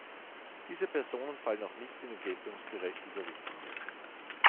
Diese Personen fallen auch nicht in den Geltungsbereich dieser Richtlinie.